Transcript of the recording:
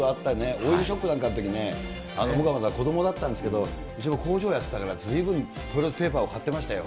オイルショックなんかのときに、僕なんかまだ子どもだったんですけど、うちも工場やっていたから、ずいぶんトイレットペーパー買ってましたよ。